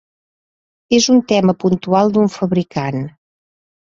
És un tema puntual d’un fabricant.